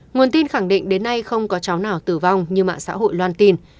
nguồn tin khẳng định đến nay không có cháu nào tử vong như mạng xã hội loan tin